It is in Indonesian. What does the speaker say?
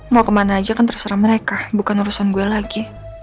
mau kemana aja kan terserah mereka bukan urusan gue lagi